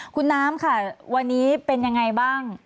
คุณน้ำค่ะวันนี้เป็นยังไงบ้าง